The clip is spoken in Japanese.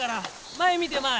前見て前。